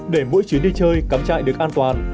để mỗi chuyến đi chơi cắm trại được an toàn